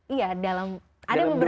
iya dalam ada beberapa